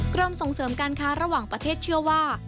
กรมส่งเสริมการค้าระหว่างประเทศเชื่อว่า